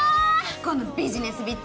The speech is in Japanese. このビジネスビッチ！